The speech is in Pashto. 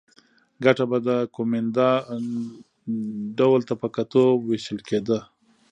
ګټه به د کومېندا ډول ته په کتو وېشل کېده